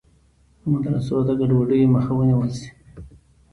د مدرسو د ګډوډیو مخه ونیول شي.